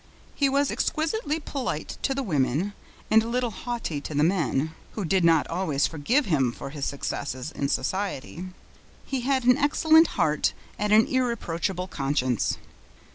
He was exquisitely polite to the women and a little haughty to the men, who did not always forgive him for his successes in society. He had an excellent heart and an irreproachable conscience.